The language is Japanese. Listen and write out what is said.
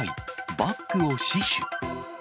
バッグを死守。